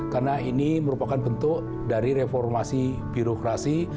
karena ini merupakan bentuk dari reformasi birokrasi